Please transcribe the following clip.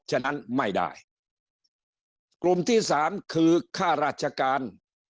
ฉะนั้นไม่ได้กลุ่มที่สามคือค่าราชการ